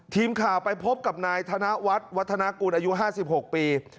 ทีมข่าวไปพบกับนายธนวัฒน์วัฒนากุลอายุ๕๖ปี